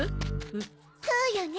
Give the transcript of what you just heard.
そうよね。